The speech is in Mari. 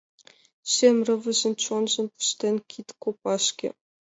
Шем рывыжын чонжым пыштен кидкопашке